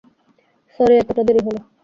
Sorry এতটা দেরী হল।